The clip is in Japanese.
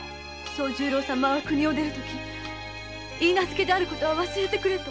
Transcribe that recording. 惣十郎様は国を出るとき許婚であることは忘れてくれと。